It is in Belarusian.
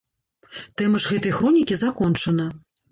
Тэма ж гэтай хронікі закончана.